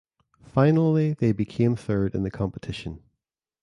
Finally they became third in the competition.